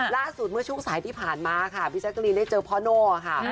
ล่าสุดเมื่อช่วงสายที่ผ่านมาค่ะพี่แจ๊กรีนได้เจอพ่อโน่ค่ะ